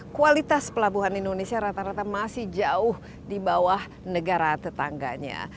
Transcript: kualitas pelabuhan indonesia rata rata masih jauh di bawah negara tetangganya